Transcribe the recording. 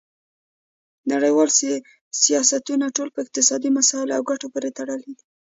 نړیوال سیاستونه ټول په اقتصادي مسایلو او ګټو پورې تړلي دي